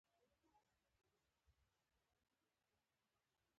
جګړه انسان ته زیان رسوي